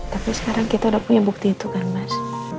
tapi sekarang kita udah punya bukti itu kan mas